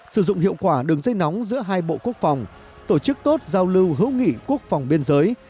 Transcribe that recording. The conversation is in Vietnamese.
sử dụng hiệu quả đường dây nóng giữa hai bộ quốc phòng tổ chức tốt giao lưu hữu nghị quốc phòng biên giới